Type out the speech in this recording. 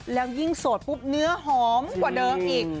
แล้วยิ่งโสดปุ๊บเนื้อหอมกว่าเดิมอีก